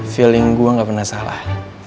feeling gue gak pernah salah